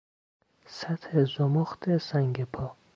سطح زمخت سنگ پا